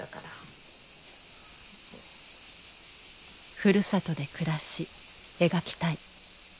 「ふるさとで暮らし描きたい」。